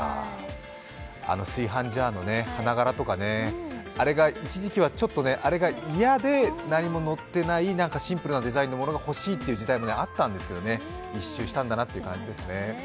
あの炊飯ジャーの花柄とかね、一時期はちょっとあれが嫌で、何ものってないシンプルなデザインのものが欲しいという時代もあったんですが一周したんだなという感じですね。